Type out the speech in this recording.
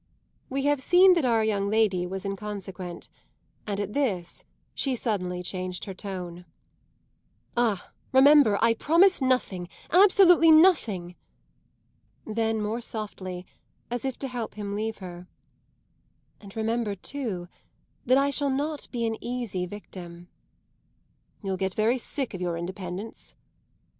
We have seen that our young lady was inconsequent, and at this she suddenly changed her note. "Ah, remember, I promise nothing absolutely nothing!" Then more softly, as if to help him to leave her: "And remember too that I shall not be an easy victim!" "You'll get very sick of your independence."